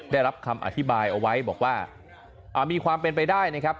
ได้รับคำอธิบายเอาไว้บอกว่ามีความเป็นไปได้นะครับ